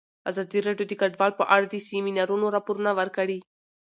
ازادي راډیو د کډوال په اړه د سیمینارونو راپورونه ورکړي.